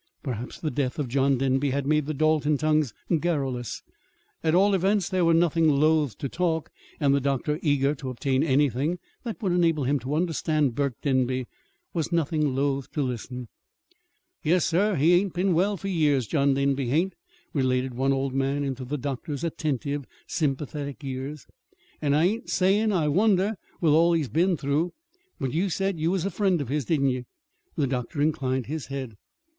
Perhaps the death of John Denby had made the Dalton tongues garrulous. At all events they were nothing loath to talk; and the doctor, eager to obtain anything that would enable him to understand Burke Denby, was nothing loath to listen. "Yes, sir, he hain't been well for years John Denby hain't," related one old man into the doctor's attentive, sympathetic ears. "And I ain't sayin' I wonder, with all he's been through. But you said you was a friend of his, didn't ye?" The doctor inclined his head.